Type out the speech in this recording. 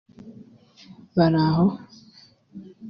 Baraho